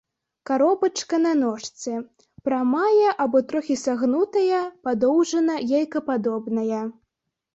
Каробачка на ножцы, прамая або трохі сагнутая, падоўжана-яйкападобная.